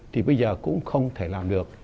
thì bây giờ cũng không thể làm được